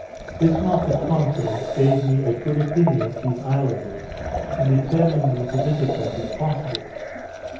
This mark of confidence gave me a good opinion of these islanders, and determined me to visit them, if possible.